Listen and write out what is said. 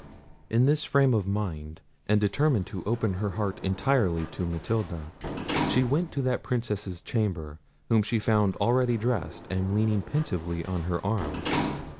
In this frame of mind, and determined to open her heart entirely to Matilda, she went to that Princess's chamber, whom she found already dressed, and leaning pensively on her arm.